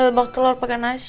iya kan gak ada telepon tadi